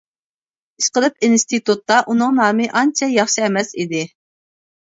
ئىشقىلىپ ئىنستىتۇتتا ئۇنىڭ نامى ئانچە ياخشى ئەمەس ئىدى.